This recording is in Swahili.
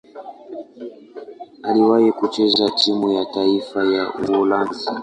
Aliwahi kucheza timu ya taifa ya Uholanzi.